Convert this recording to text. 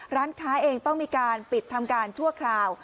ร้านค้าเองต้องมีการปิดทำการชั่วคราว